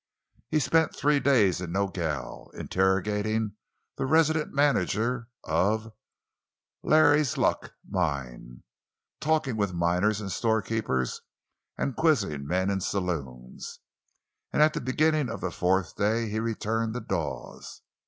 He spent three days in Nogel, interrogating the resident manager of the "Larry's Luck" mine, talking with miners and storekeepers and quizzing men in saloons—and at the beginning of the fourth day he returned to Dawes.